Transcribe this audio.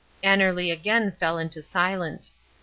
Annerly again fell into silence.